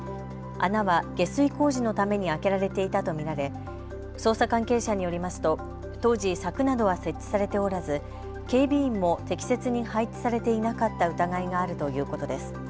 穴は下水工事のために開けられていたと見られ捜査関係者によりますと当時、柵などは設置されておらず警備員も適切に配置されていなかった疑いがあるということです。